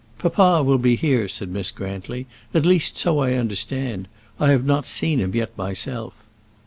"Papa will be here," said Miss Grantly; "at least so I understand. I have not seen him yet myself."